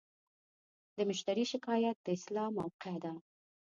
د مشتری شکایت د اصلاح موقعه ده.